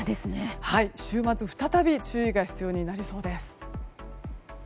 週末、再び注意が必要になりそうです。